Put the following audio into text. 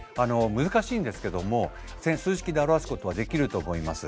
難しいんですけども数式で表すことはできると思います。